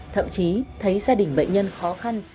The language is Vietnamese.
thậm chí thấy gia đình bệnh nhân khó khăn